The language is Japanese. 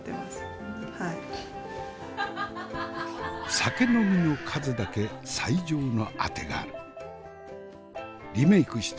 酒飲みの数だけ最上のあてがある。